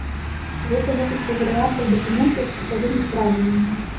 Гэта некалькі варыянтаў дакументаў з тыпавымі правіламі.